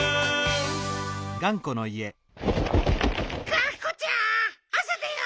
がんこちゃんあさだよ！